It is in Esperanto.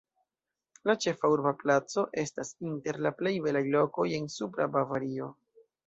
La ĉefa urba placo estas inter la plej belaj lokoj en Supra Bavario.